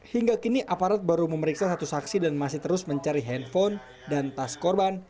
hingga kini aparat baru memeriksa satu saksi dan masih terus mencari handphone dan tas korban